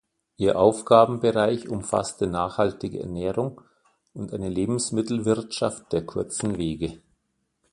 Ihr Aufgabenbereich umfasste nachhaltige Ernährung und eine Lebensmittelwirtschaft der kurzen Wege.